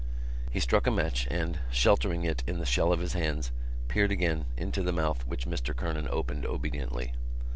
He struck a match and, sheltering it in the shell of his hands, peered again into the mouth which Mr Kernan opened obediently.